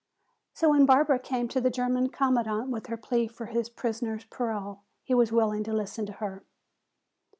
So when Barbara came to the German commandant with her plea for his prisoner's parole, he was willing to listen to her.